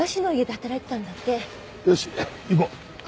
よし行こう。